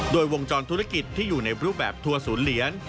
โดยวงจรธุรกิจที่อยู่ในรูปแบบทัวร์ศูนย์เหรียญ